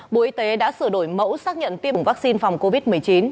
bộ y tế đã sửa đổi mẫu xác nhận tiêm bổ sung vaccine phòng covid một mươi chín